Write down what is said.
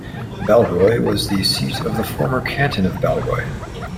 Balleroy was the seat of the former Canton of Balleroy.